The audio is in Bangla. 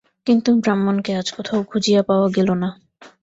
কিন্তু ব্রাহ্মণকে আজ কোথাও খুঁজিয়া পাওয়া গেল না।